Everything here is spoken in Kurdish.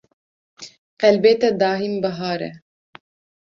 Qelbê te daîm bihar e